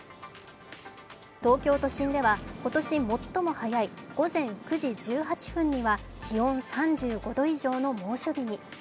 東京都心では今年最も早い午前９時１８分には気温３５度以上の猛暑日に。